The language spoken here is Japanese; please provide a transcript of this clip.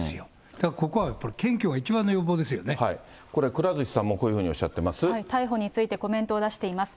だからここはやっぱり、これ、くら寿司さんもこうい逮捕について、コメントを出しています。